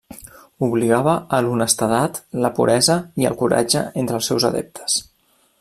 Obligava a l'honestedat, la puresa i el coratge entre els seus adeptes.